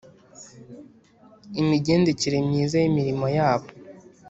imigendekere myiza yimirimo yabo